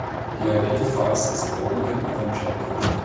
He identifies as a born again evangelical.